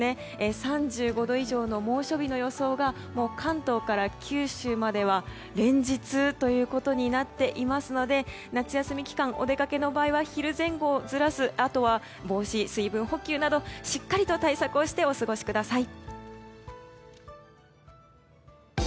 ３５度以上の猛暑日の予想が関東から九州まで連日となっていますので夏休み期間、お出かけの場合は昼前後ずらすあとは帽子、水分補給などしっかりと対策をしてお過ごしください。